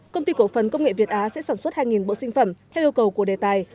công ty cổ phần công nghệ việt á sẽ sản xuất hai bộ sinh phẩm theo yêu cầu của đề tài